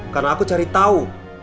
karena aku cari tau